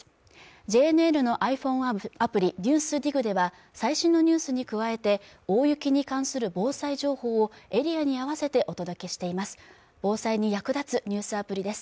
ＪＮＮのｉＰｈｏｎｅアプリ「ＮＥＷＳＤＩＧ」では最新のニュースに加えて大雪に関する防災情報をエリアに合わせてお届けしています